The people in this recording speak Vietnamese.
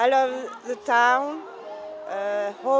tôi thích thành phố